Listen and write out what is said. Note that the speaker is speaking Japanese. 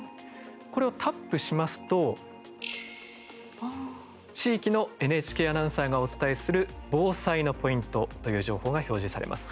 これをタップしますと地域のＮＨＫアナウンサーがお伝えする防災のポイントという情報が表示されます。